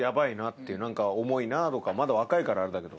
重いなとかまだ若いからあれだけど。